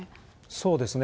そうですね。